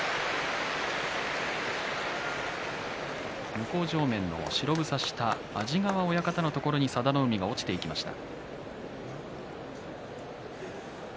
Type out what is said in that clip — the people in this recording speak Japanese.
向正面の白房下安治川親方のところに佐田の海が落ちていきました。